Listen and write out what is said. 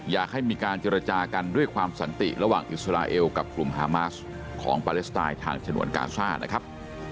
อยากให้มีการเจรจากันด้วยความสันติระหว่างอิสราเอลกับกลุ่มฮามาสของปาเลสไตน์ทางฉนวนกาซ่านะครับ